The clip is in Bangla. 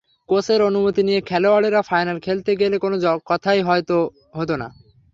কোচের অনুমতি নিয়ে খেলোয়াড়েরা ফাইনাল খেলতে গেলে কোনো কথাই হয়তো হতো না।